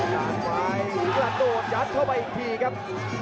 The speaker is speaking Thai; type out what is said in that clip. ด้านซ้ายกระโดดยัดเข้าไปอีกทีครับ